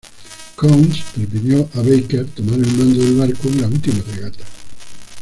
Coutts permitió a Barker tomar el mando del barco en la última regata.